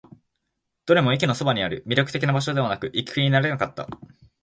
どれも駅のそばにある。魅力的な場所ではなく、行く気にはなれなかった。